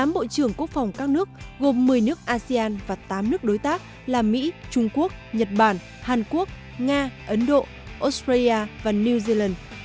một mươi bộ trưởng quốc phòng các nước gồm một mươi nước asean và tám nước đối tác là mỹ trung quốc nhật bản hàn quốc nga ấn độ australia và new zealand